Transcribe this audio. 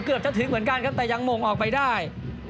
เกือบจะถึงเหมือนกันครับแต่ยังมงออกไปได้